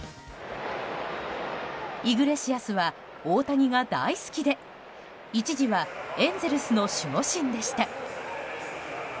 イグレシアスは大谷が大好きで一時はエンゼルスの守護神でした。